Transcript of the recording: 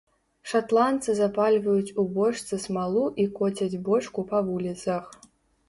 Шатландцы запальваюць у бочцы смалу і коцяць бочку па вуліцах.